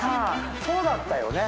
そうだったよね。